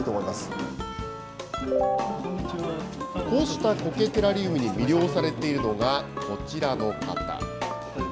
こうした苔テラリウムに魅了されているのが、こちらの方。